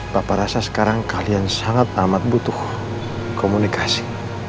bapak rasa sekarang kalian sangat amat butuh komunikasi